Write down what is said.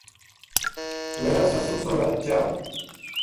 میرا سسُو سوہرا چا